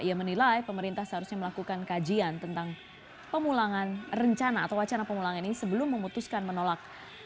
ia menilai pemerintah seharusnya melakukan kajian tentang wacana pengulangan ini sebelum memutuskan menolak